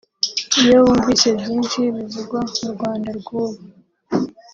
Iyo wumvise byinshi bivugwa mu Rwanda rw’ubu